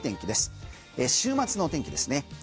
週末の天気ですね。